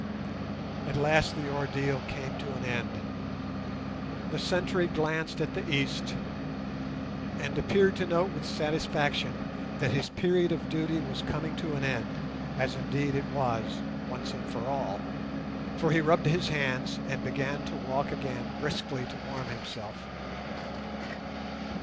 At last the ordeal came to an end. The sentry glanced at the east, and appeared to note with satisfaction that his period of duty was coming to an end—as indeed it was, once and for all—for he rubbed his hands and began to walk again briskly to warm himself.